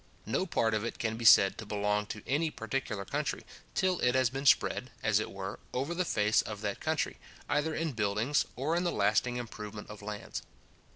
No part of it can be said to belong to any particular country, till it has been spread, as it were, over the face of that country, either in buildings, or in the lasting improvement of lands.